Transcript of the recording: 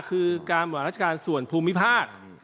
การประชาชนส่วนภูมิภาค